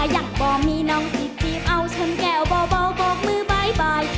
อยากบอกมีน้องสนิทจีบเอาฉันแก้วบ่อบอกมือบ๊ายบาย